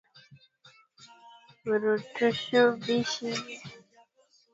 virutubishi vya viazi lishe vinahitajika mwilini